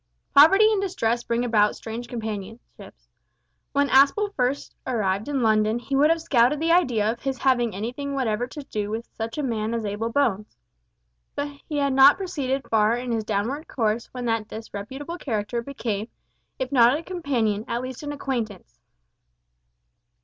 Poverty and distress bring about strange companionships. When Aspel first arrived in London he would have scouted the idea of his having anything whatever to do with such a man as Abel Bones, but he had not proceeded far in his downward course when that disreputable character became, if not a companion, at least an acquaintance.